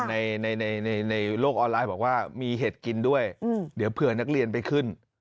ในในโลกออนไลน์บอกว่ามีเห็ดกินด้วยเดี๋ยวเผื่อนักเรียนไปขึ้น